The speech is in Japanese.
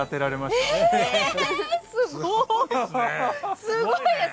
すごいね！